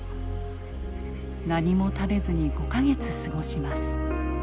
何も食べずに５か月過ごします。